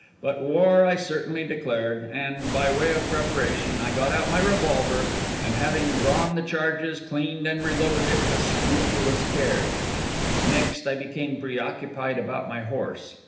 But war I certainly declared; and, by way of preparation, I got out my revolver, and, having drawn the charges, cleaned and reloaded it with scrupulous care. Next I became preoccupied about my horse.